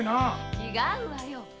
違うわよ。